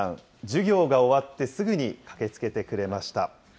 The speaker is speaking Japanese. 授業が終わってすぐに駆けつけてくれました。